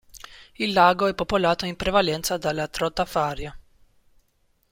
Il lago è popolato in prevalenza dalla trota fario.